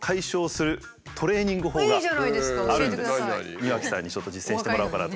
庭木さんにちょっと実践してもらおうかなと。